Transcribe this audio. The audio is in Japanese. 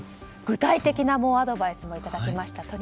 具体的なアドバイスをいただきました。